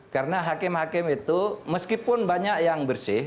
karena hakim hakim itu meskipun banyak yang bersih